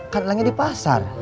katelannya di pasar